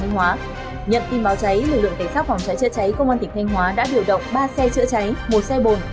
nhận tin báo cháy lực lượng tẩy sát phòng cháy chữa cháy công an tp hcm đã điều động ba xe chữa cháy một xe bồn